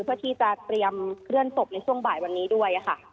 เพื่อที่จะเตรียมเคลื่อนศพในช่วงบ่ายวันนี้ด้วยค่ะ